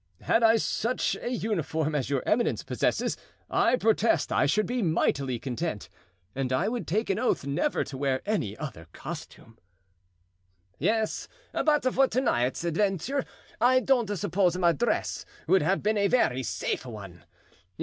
"Had I such a uniform as your eminence possesses, I protest I should be mightily content, and I would take an oath never to wear any other costume——" "Yes, but for to night's adventure I don't suppose my dress would have been a very safe one.